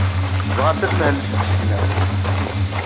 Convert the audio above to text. Bɣant ad mahlent deg usegnaf.